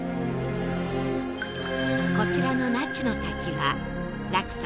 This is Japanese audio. こちらの那智の滝は落差